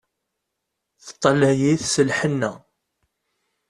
Teṭṭalay-it s lhenna.